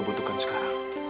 aku pasti akan ran celebritas